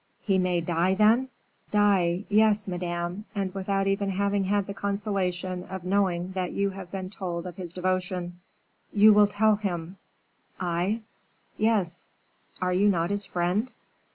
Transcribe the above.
"He may die, then?" "Die, yes, Madame; and without even having had the consolation of knowing that you have been told of his devotion." "You will tell him." "I?" "Yes; are you not his friend?"